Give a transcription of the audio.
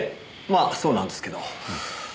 まあそうなんですけど。